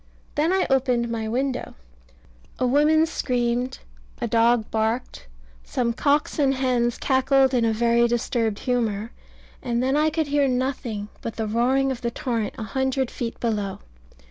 Then I opened my window a woman screamed, a dog barked, some cocks and hens cackled in a very disturbed humour, and then I could hear nothing but the roaring of the torrent a hundred feet below.